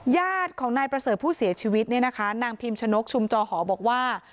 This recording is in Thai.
ญาติของนายประเสริฐผู้เสียชีวิตเนี่ยนะคะนางพิมชนกชุมจอหอบอกว่า